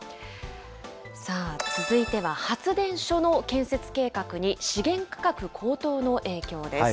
さあ、続いては発電所の建設計画に資源価格高騰の影響です。